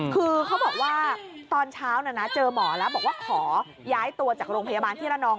คือเขาบอกว่าตอนเช้าเจอหมอแล้วบอกว่าขอย้ายตัวจากโรงพยาบาลที่ระนอง